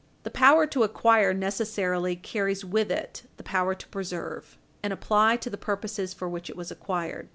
The power to acquire necessarily carries with it the power to preserve and apply to the purposes for which it was acquired.